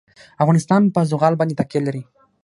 افغانستان په زغال باندې تکیه لري.